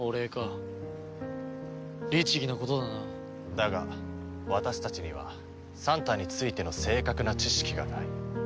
だが私たちにはサンタについての正確な知識がない。